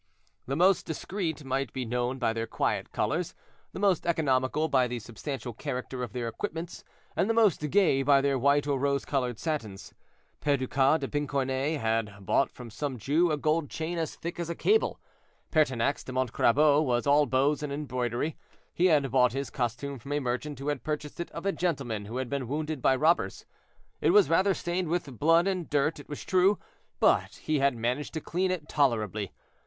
The most discreet might be known by their quiet colors, the most economical by the substantial character of their equipments, and the most gay by their white or rose colored satins. Perducas de Pincornay had bought from some Jew a gold chain as thick as a cable; Pertinax de Montcrabeau was all bows and embroidery: he had bought his costume from a merchant who had purchased it of a gentleman who had been wounded by robbers. It was rather stained with blood and dirt, it was true, but he had managed to clean it tolerably.